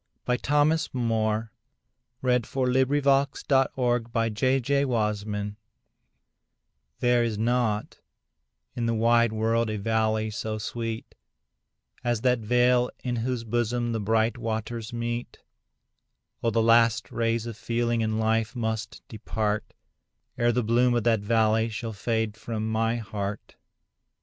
1909–14. Thomas Moore 486. The Meeting of the Waters THERE is not in the wide world a valley so sweet As that vale in whose bosom the bright waters meet; Oh! the last rays of feeling and life must depart, Ere the bloom of that valley shall fade from my heart.